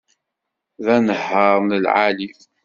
D anehhar n lεali